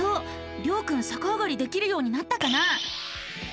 りょうくんさかあがりできるようになったかな？